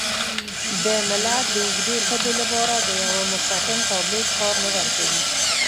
د ملت د اوږدې تبې لپاره د یوه مسکن تابلیت کار نه ورکوي.